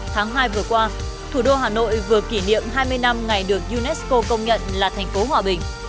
tháng hai vừa qua thủ đô hà nội vừa kỷ niệm hai mươi năm ngày được unesco công nhận là thành phố hòa bình